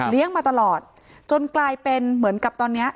เลี้ยงมาตลอดจนกลายเป็นเหมือนกับตอนนี้